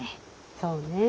そうねえ。